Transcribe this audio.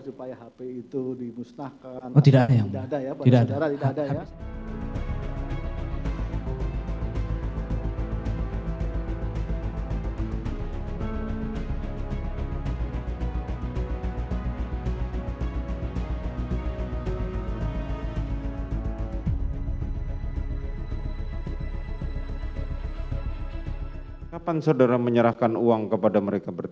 saya tidak pernah menyerahkan uang kepada mereka